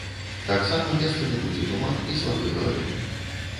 Таксама месцамі будзе туман і слабы галалёд.